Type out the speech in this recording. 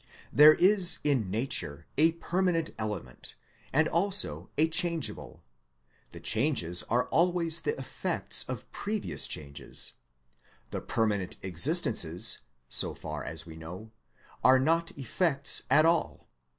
There is in Nature a perma nent element, and also a changeable : the changes are always the effects of previous changes ; the permanent existences, so far as we know, are not effects at all.